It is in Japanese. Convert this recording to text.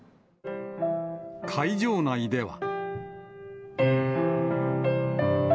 会場内では。